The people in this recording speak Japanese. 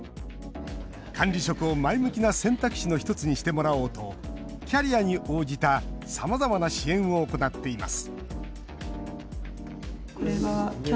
管理職を前向きな選択肢の１つにしてもらおうとキャリアに応じたさまざまな支援を行っています